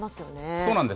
そうなんです。